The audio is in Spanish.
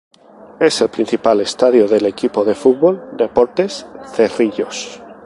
Es el principal estadio del equipo de fútbol Deportes Cerrillos.